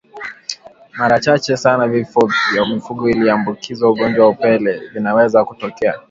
Mara chache sana vifo vya mifugo iliyoambukizwa ugonjwa wa upele vinaweza kutokea